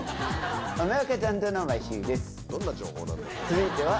続いては。